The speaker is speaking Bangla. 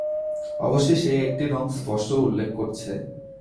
অবশ্যি সে একটি রঙ স্পষ্ট উল্লেখ করছে।